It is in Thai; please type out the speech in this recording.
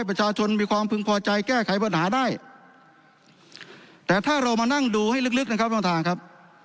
ประชาชนมีความพึงพอใจแก้ไขปัญหาได้แต่ถ้าเรามานั่งดูให้ลึกนะครับท่านประธานครับ